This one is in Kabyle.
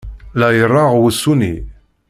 La ireɣɣ wusu-nni!